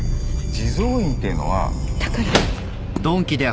地蔵院ってのはだから。